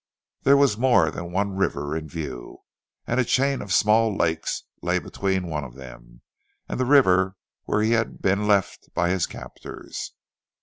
There was more than one river in view, and a chain of small lakes lay between one of them and the river where he had been left by his captors.